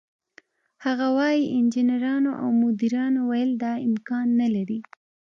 هغه وايي: "انجنیرانو او مدیرانو ویل دا امکان نه لري،